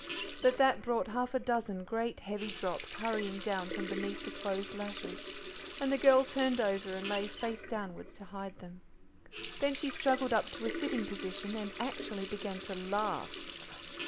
But that brought, half a dozen great heavy drop hurrying down from beneath the closed lashes, and the girl turned over and lay face downwards to hide them. Then she struggled up to a sitting position and actually began to laugh.